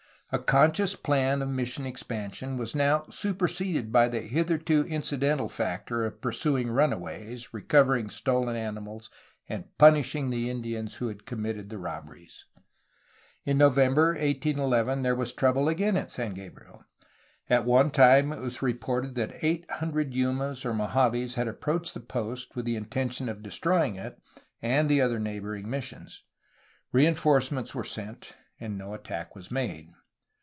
A conscious plan of mission expansion was now superseded by the hitherto incidental factors of pursuing runaways, recovering stolen animals, and punishing the Indians who had committed the robberies. In November 1811 there was trouble again at San Gabriel. At one time it was reported that eight hundred Yumas or Mojaves had approached that post with the intention of destroying it and the other neighboring missions. Rein forcements were sent, and no attack was made.